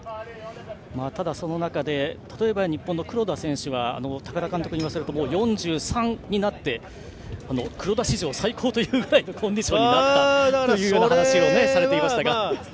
ただ、その中で例えば、黒田選手は高田監督に言わせると４３になって黒田史上最高というぐらいのコンディションになったという話をされていました。